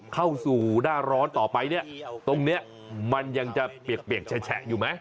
เข้าสู่หน้าร้อนต่อไปเนี่ยตรงนี้มันยังจะเปียกแฉะอยู่ไหม